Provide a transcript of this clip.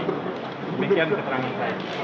demikian keteranginan saya